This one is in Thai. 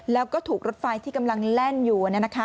แล้วก็ถูกรถไฟที่กำลังแล่นอยู่